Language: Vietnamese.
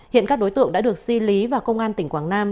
hiện các đối tượng đã được si lý vào công an tỉnh quảng nam